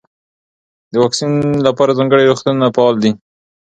د واکسین لپاره ځانګړي روغتونونه فعال دي.